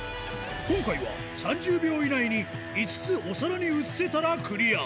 今回は３０秒以内に、５つお皿に移せたらクリア。